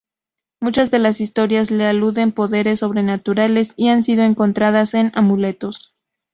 Muchas de las historias le aluden poderes sobrenaturales y han sido encontradas en amuletos.